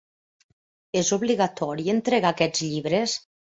És obligatori entregar aquests llibres?